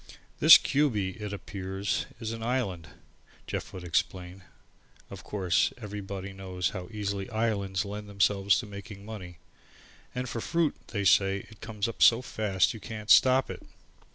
"This Cubey, it appears is an island," Jeff would explain. Of course, everybody knows how easily islands lend themselves to making money, "and for fruit, they say it comes up so fast you can't stop it."